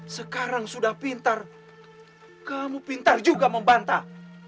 sekarang sudah pintar kamu pintar juga membantah